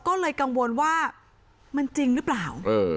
ก็เลยกังวลว่ามันจริงหรือเปล่า